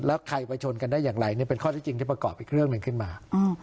แล้วใครไปชนกันได้อย่างไรนี่เป็นข้อที่จริงที่ประกอบอีกเรื่องหนึ่งขึ้นมา